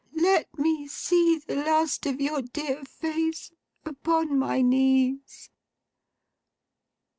Let me see the last of your dear face upon my knees!